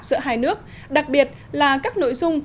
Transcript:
giữa hai nước đặc biệt là các nội dung